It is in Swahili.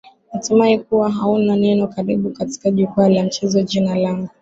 natumai kuwa hauna neno karibu katika jukwaa la michezo jina langu